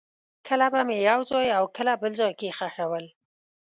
کله به مې یو ځای او کله بل ځای کې خښول.